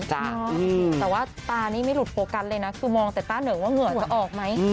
แต่ว่าตานี่ไม่หลุดโฟกัสเลยนะคือมองแต่ต้าเหนิงว่าเหงื่อจะออกไหม